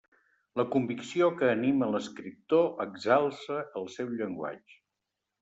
La convicció que anima l'escriptor exalça el seu llenguatge.